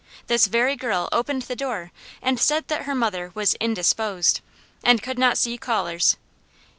This very girl opened the door and said that her mother was "indisposed," and could not see callers.